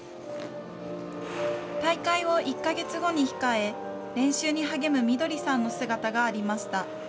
大会を１か月後に控え、練習に励むみどりさんの姿がありました。